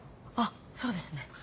あっそうですね。